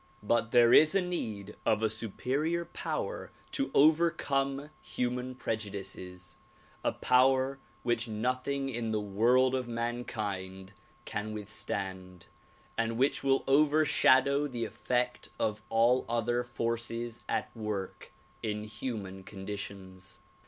But there is need of a superior power to overcome human pre judices ; a power which nothing in the world of mankind can with stand and which will overshadow the effect of all other forces at work in human conditions.